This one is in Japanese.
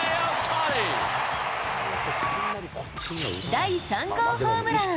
第３号ホームラン。